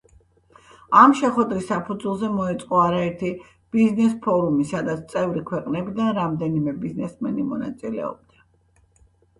ამ შეხვედრის საფუძველზე მოეწყო არაერთი ბიზნეს ფორუმი, სადაც წევრი ქვეყნებიდან რამდენიმე ბიზნესმენი მონაწილეობდა.